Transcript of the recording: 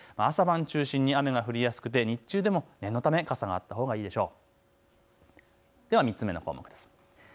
朝晩中心に雨が降りやすくて日中でも念のため傘があったほうがいいでしょう。